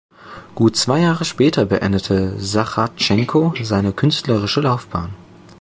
Gut zwei Jahre später beendete Sachartschenko seine künstlerische Laufbahn.